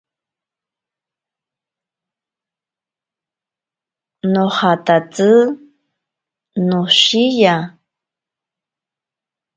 Nojatatsi noshiya.